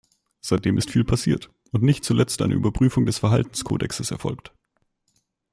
Seitdem ist viel passiert und nicht zuletzt eine Überprüfung des Verhaltenskodexes erfolgt.